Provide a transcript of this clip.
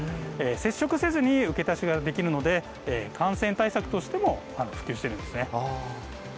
接触せずに受け渡しができるので感染対策としても普及してるんですね。